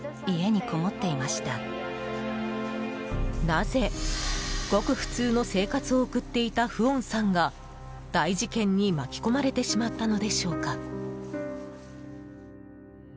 なぜ、ごく普通の生活を送っていたフオンさんが大事件に巻き込まれてしまったのでしょうか。